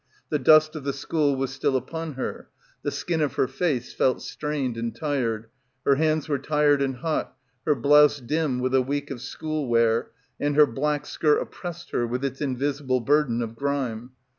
The dust of the school was still upon her; the skin of her face felt strained and tired, her hands were tired and hot, her blouse dim with a week of school wear, and her black skirt oppressed her with its in visible burden of grime.